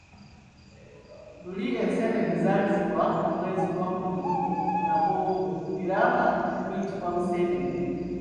Luli enseenene zaali zigwa mu mwezi gwa kkumi na gumu era nga guyitibwa Museenene.